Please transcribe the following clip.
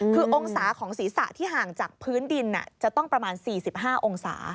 คือองศาของศีรษะที่ห่างจากพื้นดินจะต้องประมาณ๔๕องศา